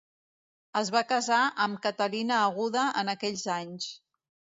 Es va casar amb Catalina Aguda en aquells anys.